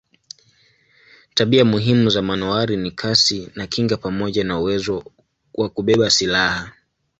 Tabia muhimu za manowari ni kasi na kinga pamoja na uwezo wa kubeba silaha.